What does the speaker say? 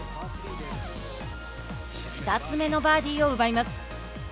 ２つ目のバーディーを奪います。